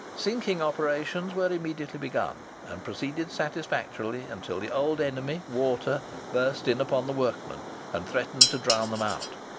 Sinking operations were immediately begun, and proceeded satisfactorily until the old enemy, water, burst in upon the workmen, and threatened to drown them out.